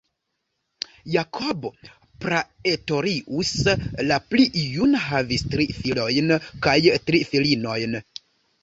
Jacob Praetorius la pli juna havis tri filojn kaj tri filinojn.